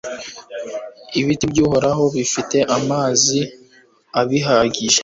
ibiti by'uhoraho bifite amazi abihagije